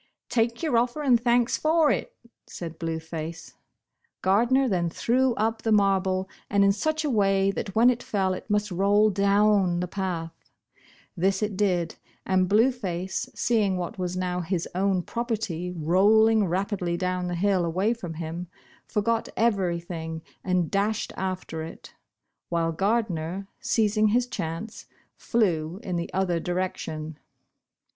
20 Bosh Bosh Oil. •'Take your offer and thanks for it," said Blue Face. Gardner then threw up the marble, and in such a \\ ay that when it fell it must roll d(riLm the path This it did, and Blue Face, seeing what was now his o\\'n propert}' rolling rapidly down the hill awav from him, foro^ot ever\ thino^ and dashed after it while Gardner, seizing his chance, flew in the other direction.